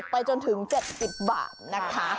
ไปจนถึง๗๐บาทนะคะ